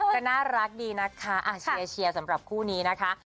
ก็น่ารักดีนะคะเชียร์สำหรับคู่นี้นะคะ